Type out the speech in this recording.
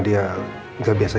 dia sudah mau pulang